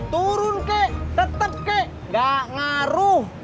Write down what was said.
turun kek tetap kek gak ngaruh